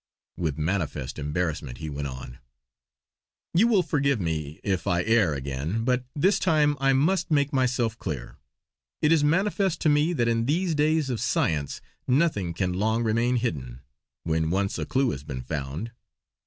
With manifest embarrassment he went on; "You will forgive me if I err again; but this time I must make myself clear. It is manifest to me that in these days of science nothing can long remain hidden, when once a clue has been found.